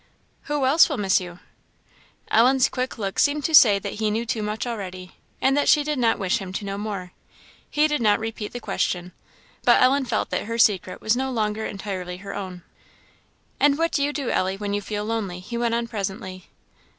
"Who else will miss you?" Ellen's quick look seemed to say that he knew too much already, and that she did not wish him to know more. He did not repeat the question, but Ellen felt that her secret was no longer entirely her own. "And what do you do, Ellie, when you feel lonely?" he went on presently.